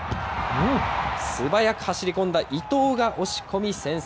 素早く走り込んだ伊東が押し込み先制。